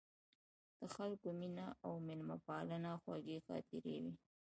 د خلکو مینه او میلمه پالنه خوږې خاطرې وې.